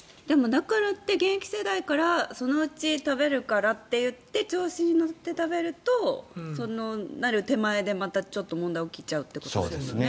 だからって現役世代からそのうち食べるからといって調子に乗って食べるとその、なる手前でまたちょっと問題が起きちゃうということですよね。